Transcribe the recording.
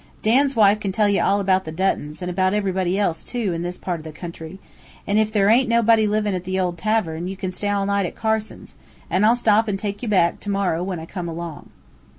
Dan's wife can tell ye all about the Duttons, an' about everybody else, too, in this part o' the country, and if there aint nobody livin' at the old tavern, ye can stay all night at Carson's, and I'll stop an' take you back, to morrow, when I come along."